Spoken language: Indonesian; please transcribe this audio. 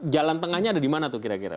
jalan tengahnya ada dimana tuh kira kira